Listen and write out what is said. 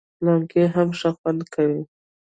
لنګۍ هم ښه خوند کوي